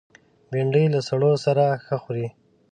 بېنډۍ له سړو سره ښه خوري